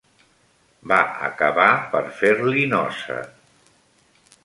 Va acabar per fer-li nosa.